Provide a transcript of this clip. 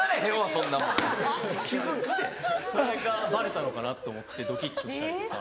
それがバレたのかなと思ってドキっとしたりとか。